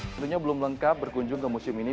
tentunya belum lengkap berkunjung ke museum ini